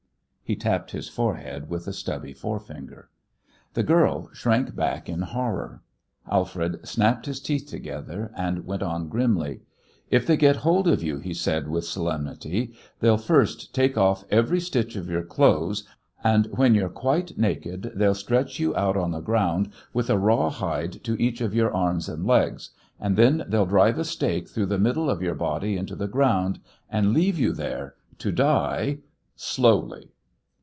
He tapped his forehead with a stubby forefinger. The girl shrank back in horror. Alfred snapped his teeth together and went on grimly. "If they get hold of you," he said, with solemnity, "they'll first take off every stitch of your clothes, and when you're quite naked they'll stretch you out on the ground with a raw hide to each of your arms and legs. And then they'll drive a stake through the middle of your body into the ground and leave you there to die slowly!"